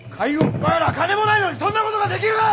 お前ら金もないのにそんなことができるか！